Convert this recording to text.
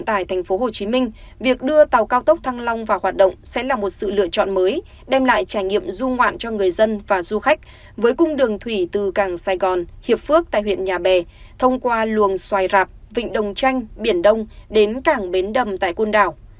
tại tp hcm việc đưa tàu cao tốc thăng long vào hoạt động sẽ là một sự lựa chọn mới đem lại trải nghiệm du ngoạn cho người dân và du khách với cung đường thủy từ càng sài gòn hiệp phước tại huyện nhà bè thông qua luồng xoài rạp vịnh đồng tranh biển đông đến cảng bến đầm tại côn đảo